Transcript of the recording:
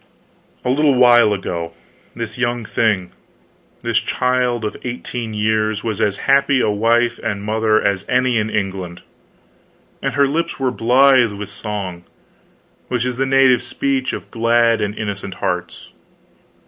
"A little while ago this young thing, this child of eighteen years, was as happy a wife and mother as any in England; and her lips were blithe with song, which is the native speech of glad and innocent hearts.